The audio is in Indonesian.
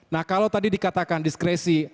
nah kalau tadi dikatakan diskresi